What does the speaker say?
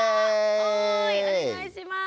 おいお願いします。